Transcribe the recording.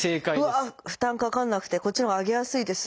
うわ負担かかんなくてこっちのほうが上げやすいです。